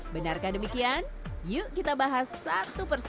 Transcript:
benarkah demikian yuk kita bahas satu persatu